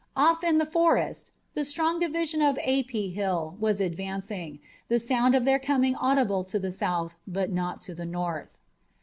Off in the forest the strong division of A. P. Hill was advancing, the sound of their coming audible to the South but not to the North.